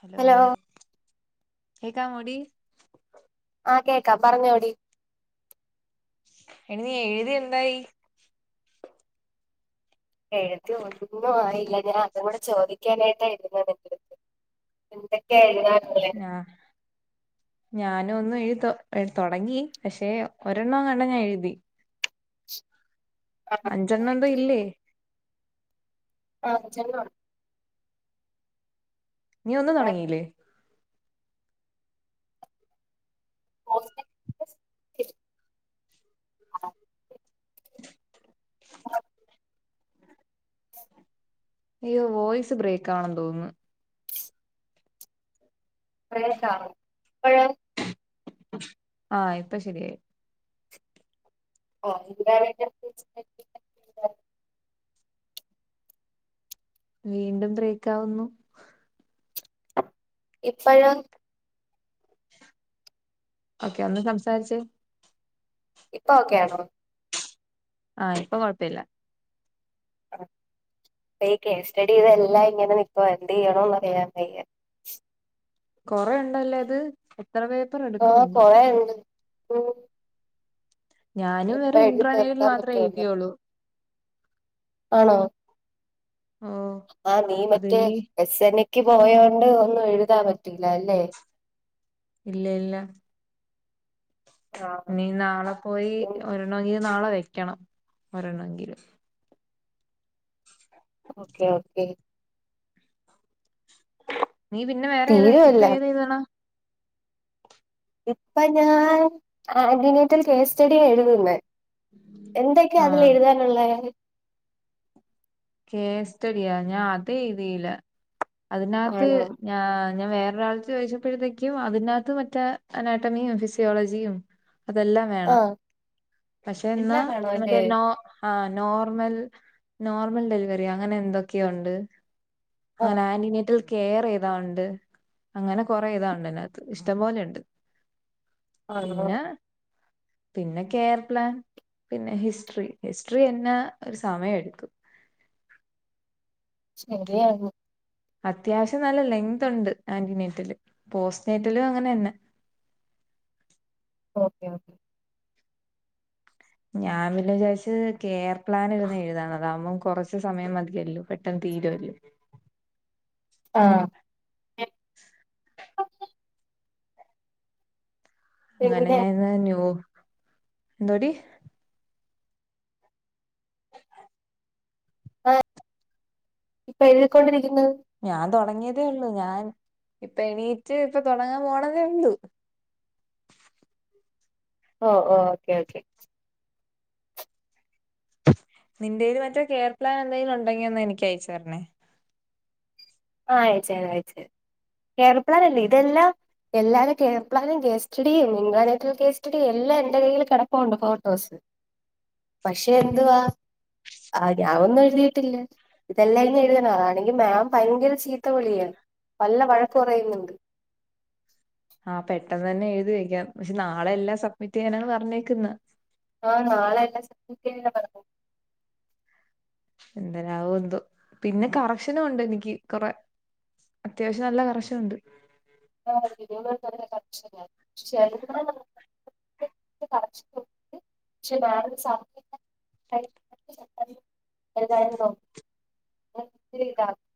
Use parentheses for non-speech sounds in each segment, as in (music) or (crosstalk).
Hello ഹ കേക്കാ മോടി ആഹ് കേക്കാ പറഞ്ഞോടി എടി നീഎഴുതിയന്തായി. എഴുതി ഒന്നും ആയില്ല ഞാൻ അതും കൂടെ ചോദിക്കാനായിട്ടായിരുന്നത് എന്തൊക്കെ എഴതാൻ്റല്ല്യേ ഞാനുയൊന്നു എഴുത തൊടങ്ങി പക്ഷെ ഒരെണ്ണം എങ്ങാണ്ടോ ഞാൻഎഴുതി ആ അഞ്ചണ്ണന്തൊ ഇല്ലേ അഞ്ചണ്ണം നീ ഒന്നും പിന്നെ തുടങ്ങീല്ലേ ഹോസ്പിറ്റൽ (unintelligible) യ്യോ വോയിസ് ബ്രേക്കാണെന്ന് തോന്നുന്നു പ്രേതാണോ ഇപ്പഴോ ആഹ് ഇപ്പശരിയായി ഓഫ് ഇതാരാ ഇതിൻ്റകത്ത് വെച്ചത് വീണ്ടും ബ്രേക്കാവുന്നു ഇപ്പഴോ ഒക്കെ അന്ന സംസാരിച്ചേ ഇപ്പം ഓക്കെണോ ആഹ് ഇപ്പം കുഴപ്പില്ല പ്പ ഈ കേസ് സ്റ്റഡിതെല്ലാം ഇങ്ങനെ നിക്കുവാ എന്ത്യ്യണോന്ന്അറിയൻ വയ്യ കൊറെേണ്ടല്ലേത് എത്ര പേ ആഹ് കൊറേ ഉണ്ട് ഞാനും എപ്പ വെറു എഴുതി ഇട്രാനൈൽ തീർക്കാൻ പറ്റുവല്ലോ മാത്രെഴുതിയോളു ആണോ ഓ ആഹ് അത് നിമറ്റേ ഇനി എസ് എൻ എക്ക് പോയോണ്ടൊന്നും എഴുതാൻ പറ്റില്ലാല്ലേ ഇല്ല ഇല്ലാ ആഹ് ഇനി നാളെ പോയി ഒരൊണ്ണെങ്കിലും നാളെ വെക്കണം ഒരൊണ്ണങ്കിലും ഓക്കെ ഓക്കേ നീ പിന്നെ വേറെ ഏതാ ഇപ്പൊ തീരുവല്ല ഏതെയ്തണം ഇപ്പൊ ഞാൻ ആന്റിനീറ്റിൽ കേസ്റ്റഡി എഴുതുന്നേ ആ എന്തൊക്കെയതിലെഴുതാനുള്ളേ കേസ്റ്റടിയാ ഞാൻ അതേയ്തീല അതിനകത്ത് ആണോ ഞാ ഞാൻ വേറൊരാൾ ചോദിച്ചപ്പോഴത്തേക്കും അതിനകത്ത് മറ്റേ അനാറ്റമിയും ഫിസിയോളജിയും അതെല്ലാം വേണം ആഹ് പക്ഷെ എന്ന എല്ലാം വേണോ നിനക്ക് അല്ലേ നോ ആ നോർമൽ നോർമൽ ഡെലിവറി യങ്ങനെന്തൊക്കെയോയുണ്ട് ആഹ് അങ്ങനെ ആന്റിനറ്റിൽ കേർയെഴുതാണ്ട് അങ്ങനെ കൊറെഴുതാനുണ്ടതിനകത്ത് ഇഷ്ടംപോലൊണ്ട് ആണോ പിന്നെ പിന്നെ കെയർപ്ലാൻ പിന്നെ ഹിസ്ട്രീ ഹിസ്ട്രീ എന്ന ഒരു സമയെടുക്കും ശെരിയാകും അത്യാവശ്യം നല്ല ലെങ്ത്ണ്ട് ആന്റിനെറ്റല് പോസ്നെറ്റലും അങ്ങനന്നെ ഓക്കെ ഓക്ക ഞാൻ പിന്നെ വിചാരിച്ച് കെയർ പ്ലാൻ ഇരുന്നഎഴുതാ അതാവുമ്പം കുറച്ചു സമയം മതിയല്ലോ പെട്ടെന്ന് തീരുവല്ലോ ആഹ് അങ്ങനെ പിന്നെ ഞാൻ ഇന്ന് ന്യൂ എന്താടി (inaudible) ആഹ് ഇപ്പൊഴുതിക്കൊണ്ടിരിക്കുന്നു ഞാൻ തുടങ്ങിയതേള്ളൂ ഞാൻ ഇപ്പ എണീറ്റ് ഇപ്പ തുടങ്ങാൻപോണതേയുള്ളു ഓഹ് ഓഹ് ഓക്കേ ഓക്കേ നിന്റെല് മറ്റേ കെയർ പ്ലാൻ എന്തേലും ഉണ്ടെങ്കി, ഒന്ന് എനക്ക് അയച്ച് തരണേ. ആഹ് അയച്ച് തരാം അയച്ച് തരാം കെയർപ്ലാൻ അല്ലേ ഇതെല്ലാം എല്ലാരേം കെയർപ്ലാനും കേസ്റ്റഡിയും ഇട്രാനെറ്റൽ കേസ്റ്റഡിയും എല്ലാം എന്റെ കയ്യിൽ കിടപ്പുണ്ട് ഫോട്ടോസ് പക്ഷെ എന്തുവാ ആ ഞാൻ ഒന്നും എഴുതിയിട്ടില്ല ഇതെല്ലായിനി എഴുതണം അതാണെങ്കിൽ മാം ഭയങ്കര ചീത്ത വിളിയാ നല്ല വഴക്കു പറയുന്നുണ്ട് ആഹ് പെട്ടെന്ന് തന്നെ എഴുതി വെക്കാം പക്ഷെ നാളെ എല്ലാം സബ്മിറ്റ് ചെയ്യാനാണ് പറഞ്ഞേക്കുന്നത് ആഹ് നാളെയെല്ലാം സബ്മിറ്റ് ചെയ്യണന്നാ പറ എന്തരാവോ എന്തോ പിന്നെ കറക്ഷനും ഉണ്ട് എനിക്ക് കൊറെ അത്യാവശ്യം നല്ല കറശനുണ്ട് (unintelligible) (unintelligible) (unintelligible)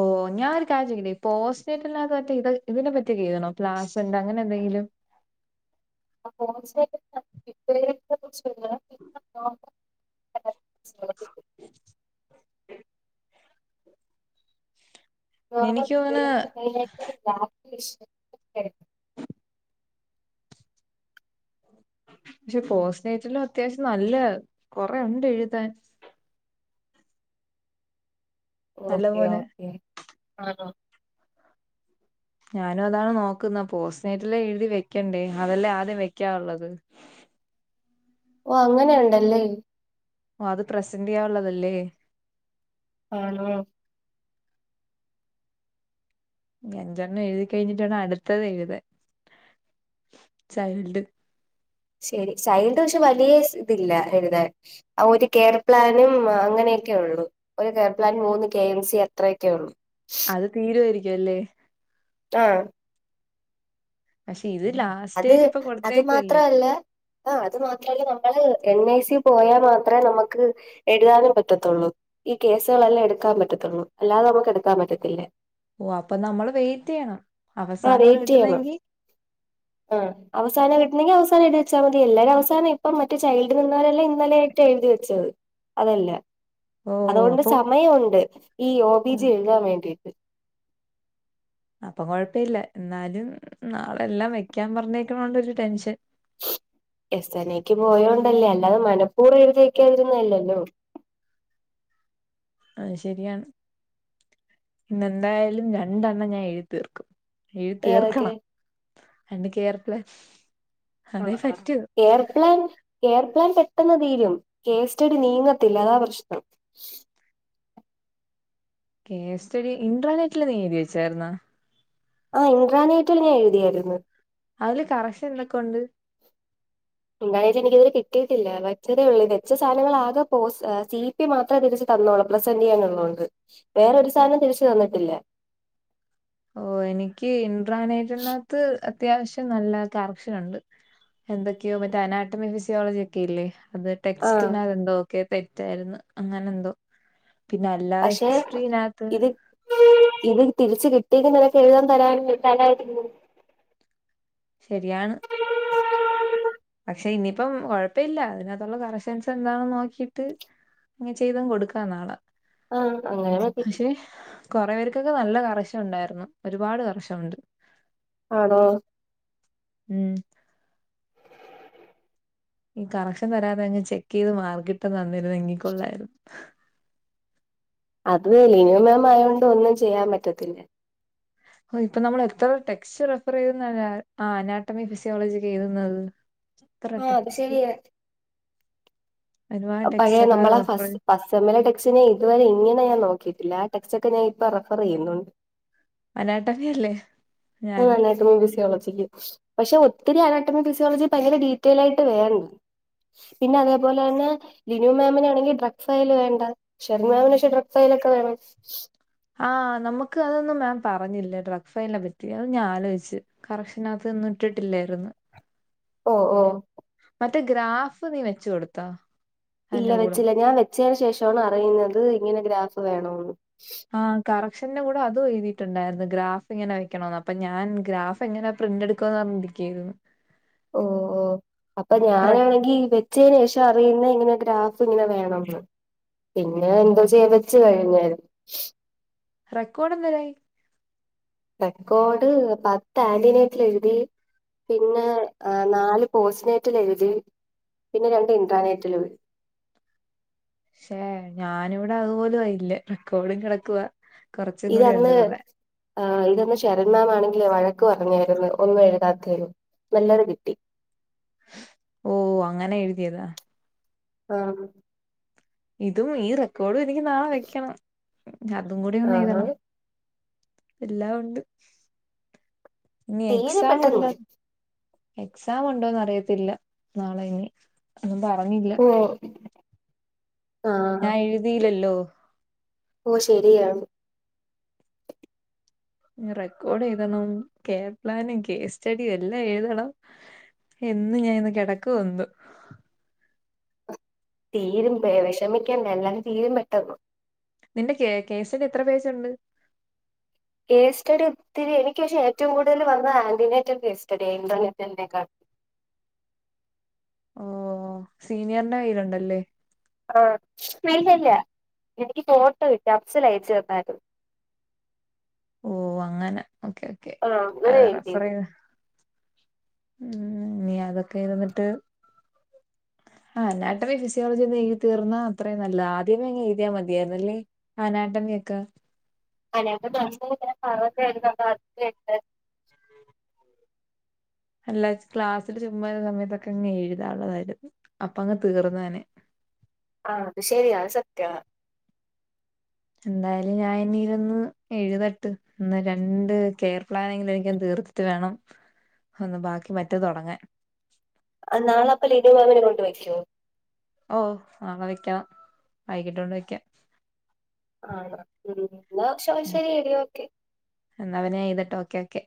ഓ ഞാനൊരു കാര്യം ചോദിക്കട്ടേ പോസ്റ്റിനേറ്റലിനകത്തെ മറ്റേ ഇത് ഇതിനെ പറ്റിയൊക്കെ എഴുതണോ പ്ലാസന്റാ അങ്ങനെ എന്തെങ്കിലും (unintelligible) (inaudible) എനിക്ക് തോന്നുന്നു (unintelligible) പക്ഷെ പോസ്റ്റ്നേറ്റിലും അത്യാവശ്യം നല്ല കൊറെേ ഉണ്ട് എഴുതാൻ ഓക്കെ നല്ലപോലെ ഓക്കേ ആഹ ഞാനും അതാണ് നോക്കുന്ന പോസ്റ്റ്നേറ്റല്ലാം എഴുതി വെക്കണ്ടേ അതല്ലേ ആദ്യം വെക്കാനുള്ളത് ഓ അങ്ങനെയ ഉണ്ടല്ലേ ഓ അത് പ്രസന്റ് ചെയ്യാനുള്ളതല്ലേ ആണോ അഞ്ചെണ്ണം എഴുതി കഴിഞ്ഞിട്ട് വേണം അടുത്തത് എഴുതാൻ ചൈൽഡ് ശരി ചൈൽഡ് പക്ഷേ വലിയ ഇതില്ല എഴുതാൻ ആ ഒരു കെയർ പ്ലാനും അങ്ങനെയൊക്കെ ഉള്ളു ഒരു കെയർപ്ലാന് മൂന്ന് കെ എം സി അത്രയൊക്കെ ഉള്ളു അത് തീരുവായിരിക്കും അല്ലേ ആഹ് പക്ഷെ ഇതിലാ അത് അത് മാത്രല്ലാ ആ അത് മാത്രല്ല നമ്മള് എൻ ഐ സി പോയാൽ മാത്രമേ നമുക്ക് എഴുതാനും പറ്റത്തുള്ളൂ ഈ കേസുകളെല്ലാം എടുക്കാൻ പറ്റത്തുള്ളൂ അല്ലാതെ നമുക്ക് എടുക്കാൻ പറ്റത്തില്ല ഓ അപ്പൊ നമ്മൾ വെയിറ്റ് ചെയ്യണം ആ അവസാനമാണ് വെയിറ്റ് ചെയ്യണം കിട്ടുന്നതെങ്കി ആഹ് അവസാനം കിട്ടുന്നെങ്കിൽ അവസാന എഴുതി വച്ചാൽ മതി എല്ലാരും അവസാനം ഇപ്പം മറ്റേ ചൈൽഡ് നിന്നവരെല്ലാം ഇന്നലെയായിട്ട് എഴുതി വെച്ചത് അതല്ല ഓ അതുകൊണ്ട് അപ്പൊ സമയമുണ്ട് ഈ ഓബിജി എഴുതാൻ വേണ്ടിട്ട് അപ്പം കൊഴപ്പവില്ല എന്നാലും നാളെയെല്ലാം വെക്കാൻ പറഞ്ഞേക്കണണ്ട് ഒരു ടെൻഷൻ.. എസ്സനേക്ക് പോയോണ്ടല്ലേ അല്ലാതെ മനപ്പൂർവം എഴുതി വെക്കാതിരുന്നതല്ലല്ലോ അത് ശരിയാണ് ഇന്നെന്തായാലും രണ്ടെണ്ണം ഞാൻ എഴുതി തീർക്കും എഴു ഏതൊക്കെ തീർക്കണം രണ്ട് കെയർ പ്ലാൻ അതേ ആഹ് ആഹ് പറ്റൂ കെയർപ്ലാൻ കെയർപ്ലാൻ പെട്ടെന്ന് തീരും കേസ്റ്റടി നീങ്ങത്തില്ല അതാ പ്രശ്നം കേസ്റ്റഡി ഇട്രാനെറ്റില് നീ എഴുതി വെച്ചായിരുന്ന ആ ഇൻട്രാനേറ്റിൽ ഞാൻ എഴുതിയായിരുന്നു അതില് കറശൻ എന്തൊക്കെ ഉണ്ട് എന്തായാലും എനിക്ക് ഇത് വരെ കിട്ടിയിട്ടില്ല വച്ചതേ ഉള്ളൂ വെച്ച സധനങ്ങളൊക്കെ ആകെ പോസ് മാത്രമേ തിരിച്ചു തന്നോളൂ പ്രസെന്റ് ചെയ്യാനള്ളതോണ്ട് വേറൊരു സാധനവും തിരിച്ചു തന്നിട്ടില്ല ഓ എനിക്ക് ഇൻട്രാനേറ്റിനകത്ത് അത്യാവശ്യം നല്ല കറക്ഷൻ ഉണ്ട് എന്തൊക്കെയോ മറ്റേ അനാട്ടമി ഫിസിയോളജി ഒക്കെ ഇല്ലേ അത് ആഹ് ടെക്സ്റ്റിനതെന്തോ ഒക്കെ തെറ്റായിരുന്നു അങ്ങനെന്തോ പഷേ ഇത് ഇത് തിരിച്ച് കിട്ടിയത് നിനക്ക് എഴുതാൻ തരായി തരായിരുന്നു ശരിയാണ് പക്ഷെ ഇനിയിപ്പം കൊഴപ്പില്ല അതിനകത്തുള്ള കറക്ഷൻസ് എന്താണെന്ന് നോക്കിട്ട് അങ്ങ് ചെയ്തങ്ങ് കൊടുക്കാന്നാളെ ആഹ് അങ്ങനെ മതി പക്ഷെ കൊറേ പേർക്കൊക്കെ നല്ല കറശനുണ്ടായിരുന്നു ഒരുപാട് കറശനുണ്ട് ആണോ ഉം ഈ കറക്ഷൻ തരാതെ അങ്ങ് ചെക്ക് ചെയ്ത് മാർക്കിട്ട് തന്നിരുന്നെങ്കി കൊള്ളാരുന്നു അത് ലിനിമാംമായൊണ്ട് ഒന്നും ചെയ്യാൻ പറ്റത്തില്ല. ഹോ ഇപ്പൊ നമ്മള് എത്ര ടെക്സ്റ്റ് റെഫർ ചെയ്തെന്നറിയാവോ ആ അനാട്ടമി ഫിസിയോളജി ഒക്കെ എഴുതുന്നത്. എത്ര ആഹ് അത് ടെക്സ്റ്റ് ശരിയാ ഒരുപാട് ടെക്സ്റ്റ് പഴയേ ഒക്കെ നമ്മളെ റെഫർ ഫസ് ഫസ് സെമ്മിലെ ടെക്സിനെ ഇതുവരെ ഇങ്ങനെ ഞാൻ നോക്കിയിട്ടില്ല ആ ടെക്സ്റ്റ് ഒക്കെ ഞാൻ ഇപ്പ റഫർ ചെയ്യുന്നൊ അനാട്ടമി അല്ലേ ആഹ് ഞാനും അനാട്ടമി ഫിസിയോളജിക്ക് പഷെ ഒത്തിരി അനാട്ടമി ഫിസിയോളജി ഭയങ്കര ഡീറ്റെയിൽ ആയിട്ട് വേണ് പിന്നെ അതേപോലെ തന്നെ ലിനു മാമിനാണെങ്കിൽ ഡ്രഗ് ഫയല് വേണ്ട ഷെറിൻമാമിന് പക്ഷെ ഡ്രക്ഫയലൊക്കെ വേണം. ആഹ് നമുക്ക് അതൊന്നും മാം പറഞ്ഞില്ല ഡ്രഗ് ഫൈലിനെ പറ്റി അത് ഞാൻ ആലോയിച്ച് കറഷനത്ത് ഇന്ന് ഇട്ടിട്ടില്ലായിരുന്ന് ഓഹ് ഓഹ് മറ്റേ ഗ്രാഫ് നീ വെച്ച് കൊടുത്തോ? ഇല്ല അതിന്റെ കൂടെ വെച്ചില്ല ഞാൻ വെച്ചേന് ശേഷാണ് അറിയുന്നത് ഇങ്ങനെ ഗ്രാഫ് വേണോന്ന് ആ കറക്ഷന്റെ കൂടെ അത് എഴുതിട്ടുണ്ടായിരുന്നു ഗ്രാഫ് ഇങ്ങനെ വെക്കണോന്ന് അപ്പൊ ഞാൻ ഗ്രാഫ് പ്പ എങ്ങനെ പ്രിന്റ് എടുക്കുവന്ന് പറഞ്ഞിരിക്കായിരുന്നു. ഓഹ് ഓഹ് അപ്പൊ റെക് ഞാനാണെങ്കി വെ ച്ചേന് ശേഷ അറിയുന്നെ ഇങ്ങനെ ഗ്രാഫ് ഇങ്ങനെ വേണംന്ന് പിന്നെ ഓ എന്തോചെയ്യാപ ച്ച് കഴിഞ്ഞാരു റെക്കോർഡ് എന്തെരായി? റെക്കോർഡ് പത്ത് ആന്റനേറ്റില് എഴുതി പിന്നെ നാല് പോസ്നെറ്റിൽ എഴുതി പിന്നെ രണ്ട് ഇന്ട്രാനെറ്റിലും എ പക്ഷേ ഞാനിവിടെ അതുപോലും ആയില്ല റെക്കോർഡും കെടക്കുവാ ഇതന്ന് ആഹ് ഇതന്ന് ഷെറിൻമാംണെങ്കിലേ വഴക്ക് പറഞ്ഞാരുന്നു ഒന്നും എഴുതാത്തതിന് നല്ലത് കിട്ടി ഓഹ് അങ്ങനെ എഴുതിയതാ ആഹ് ഇതും ഈ റെക്കോർഡും എനിക്ക് നാളെ വെക്കണം അതും കൂടി ഒന്ന് ആഹാ എഴുതണം എല്ലാ ഒണ്ട് ഇനി തീരെ എക്സാം ഉണ്ട പെട്ടെന്ന് എക്സാം ഉണ്ടോന്ന് അറിയത്തില്ല നാളെ ഇനി ഒന്നും പറഞ്ഞില്ല. ഓഹ് ഞാൻ എഴുതിയില്ലല്ലോ ഓഹ് ശരിയാണ് ഇനി റെക്കോർഡ് എഴുതണം കേർ പ്ലാനും കേസ്റ്റഡിയും എല്ലാം എഴുതണം. എന്ന് ഞാൻ ഇന്ന് കെടക്കുവോ എന്തോ തീരും പേ വെഷമിക്കണ്ട എല്ലാം തീരും പെട്ടെന്ന് നിന്റെ കേ കേസിന്റെ എത്ര പേജുണ്ട് കേസ് സ്റ്റഡിഒത്തിരി എനിക്ക് പക്ഷെ ഏറ്റവും കൂടുതൽ വന്ന ആന്റിനേറ്റ കേസ് സ്റ്റഡിആയിനു ഇന്റർനെറ്റിനേക്കാൾ ഓഹ് സീനിയർന്റെ കൈയിലുണ്ടല്ലേ ആഹ് പിന്നല്ലേ എനക്ക്ഫോട്ടോ കിട്ടിട് അപ്സൽ അയച്ചു തന്നാരുന്നു. ഓഹ് അങ്ങനെ ഓക്കെ ഓക്കെ ആഹ് അ അങ്ങനെ റഫർ എഴുതിയത് ചെയത് ഉം നീ അതൊക്കെ ഇരുന്നിട്ട് ആ് നാട്ടമി ഫിസോളജിന്ന് എഴുതി തീർന്നാ അത്രയും നല്ലത് ആദ്യമേ അങ്ങ ഴുതിയാൽ മതിയായിരുന്നല്ലേ. ആഹ് നാട്ടമിയൊക്ക അല്ലെ ന ഭഗ (unintelligible) അല്ലാ ക്ലാസ്സില് ചുമ്മാരുന്ന സമയത്തൊക്കെ ഇങ്ങ് എഴുതാനുള്ളതായിരുന്നു അപ്പ അങ്ങ് തീർന്ന തനെ ആഹ് അതു ശരിയാണ് സത്യ എന്തായാലും ഞാൻ ഇനിയിരുന്ന് എഴുതട്ട് ഇന്ന് രണ്ട് കെയർ പ്ലാനെങ്കില എനിക്ക തീർത്ത ട്ട് വേണം ഒന്ന് ബാക്കി മറ്റത് തുടങ്ങാൻ ആനാളെപ്പല ഇനവവനെ കൊണ്ട് വെക്കോ. ഓ നാളെ വെക്കാം വൈകിട്ട കൊണ്ട് വെക്കാം ആ ഹ് ഉ എന്ന പക്ഷോ ശരി എടിയ ക്കെ എന്ന പിന്നെ എയ്തട്ട് ഓക്കെ ഓക്കെ